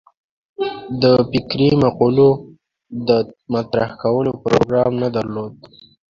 د فکري مقولو د مطرح کولو پروګرام نه درلود.